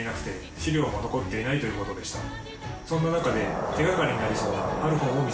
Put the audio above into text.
そんな中で。